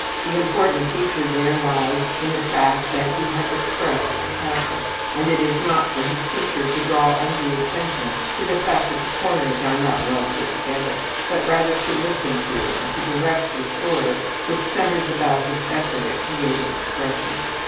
The important feature there lies in the fact that he has expressed a castle, and it is not for his teacher to draw undue attention to the fact that the corners are not well put together, but rather to listen to and to direct the story which centers about this effort at creative expression.